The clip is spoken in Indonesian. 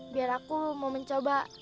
biar aku mau mencoba